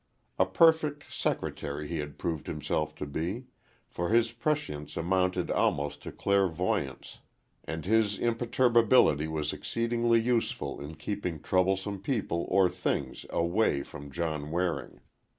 A perfect secretary he had proved himself to be, for his prescience amounted almost to clairvoyance, and his imperturbability was exceedingly useful in keeping troublesome people or things away from John Waring.